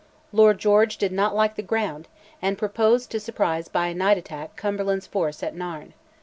Lord George "did not like the ground," and proposed to surprise by a night attack Cumberland's force at Nairn.